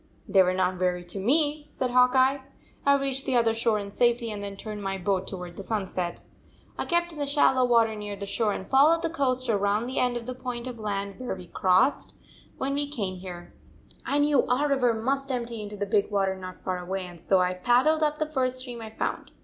"They were not weary to me," said Hawk Eye. " I reached the other shore in safety, and then turned my boat toward the sunset. I kept in the shallow water near the shore, and followed the coast around the end of the point of land which we crossed when we came here. " I knew our river must empty into the big water not far away, and so I paddled up the first stream I found.